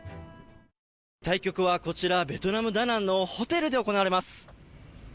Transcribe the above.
対局はこちら、ベトナム・ダナンのホテルで行われます。